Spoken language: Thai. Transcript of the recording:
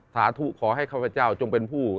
สาธุขอให้ข้าพเจ้าจงเป็นผู้